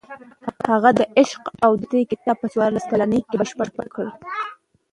هغې د "عشق او دوستي" کتاب په څوارلس کلنۍ کې بشپړ کړ.